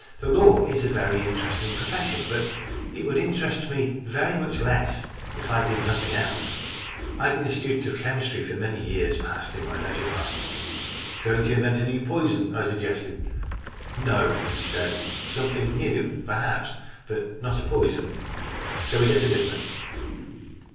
The law is a very interesting profession, but it would interest me very much less if I did nothing else. I have been a student of chemistry for many years past in my leisure time." " Going to invent a new poison ?" I suggested. " No," he said. " Something new, perhaps, but not a poison. Shall we get to business